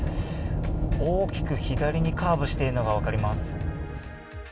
大きく左にカーブしているのが分かります。